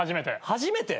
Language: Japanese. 初めて！？